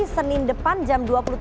senin depan jam dua puluh tiga